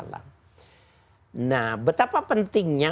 kalau kita ingin mencintai nabi muhammad